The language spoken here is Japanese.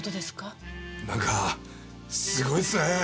なんかすごいっすね！